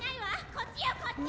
こっちよこっち！